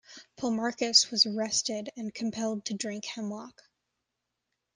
Polemarchus was arrested, and compelled to drink hemlock.